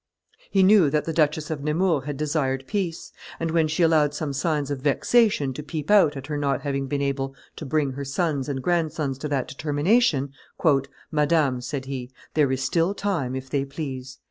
He knew that the Duchess of Nemours had desired peace, and when she allowed some signs of vexation to peep out at her not having been able to bring her sons and grandsons to that determination, "Madame," said he, a there is still time if they please."